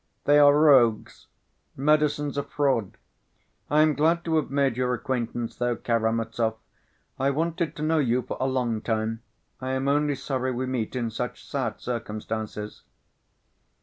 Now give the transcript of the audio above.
"They are rogues! Medicine's a fraud! I am glad to have made your acquaintance, though, Karamazov. I wanted to know you for a long time. I am only sorry we meet in such sad circumstances."